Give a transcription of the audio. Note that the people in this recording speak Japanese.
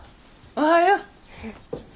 おはよう。